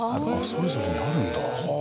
それぞれにあるんだ。